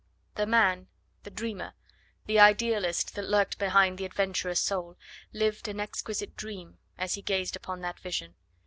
The man, the dreamer, the idealist that lurked behind the adventurous soul, lived an exquisite dream as he gazed upon that vision.